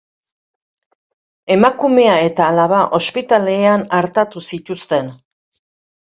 Emakumea eta alaba ospitalean artatu zituzten.